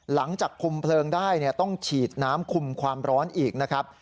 หลังจากคุมเพลิงได้ต้องฉีดน้ำคุมความร้อนอีกนะครับ